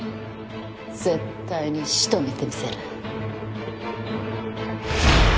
絶対に仕留めてみせる。